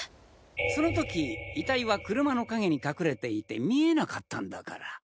その時遺体は車の陰にかくれていて見えなかったんだから。